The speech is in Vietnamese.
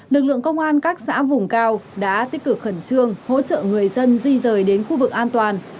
lực lượng công an các xã vùng cao đã tích cực khẩn trương hỗ trợ người dân di rời đến khu vực an toàn